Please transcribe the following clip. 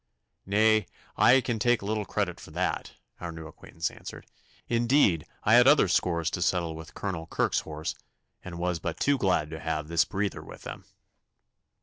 'Nay, I can take little credit for that,' our new acquaintance answered. 'Indeed, I had other scores to settle with Colonel Kirke's horse, and was but too glad to have this breather with them.